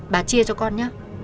bà chia cho con nhé